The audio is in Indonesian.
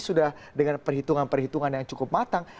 sudah dengan perhitungan perhitungan yang cukup matang